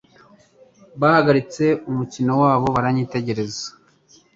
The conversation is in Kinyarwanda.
Bahagaritse umukino wabo baranyitegereza.